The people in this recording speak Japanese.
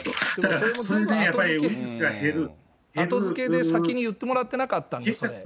それは、後づけで先に言ってもらってなかったんで、それ。